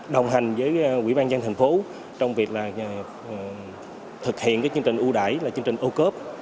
đồng hành với quỹ ban dân thành phố trong việc là thực hiện các chương trình ưu đại là chương trình ô cốp